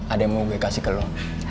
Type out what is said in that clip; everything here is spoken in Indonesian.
ada yang mau gue kasih ke lo